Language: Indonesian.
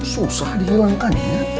susah dihilangkan ya